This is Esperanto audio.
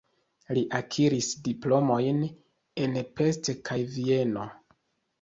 Li akiris diplomojn en Pest kaj Vieno.